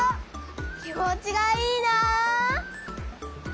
気持ちがいいな！